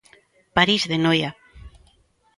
París de Noia.